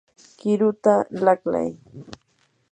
qiruta laqlay.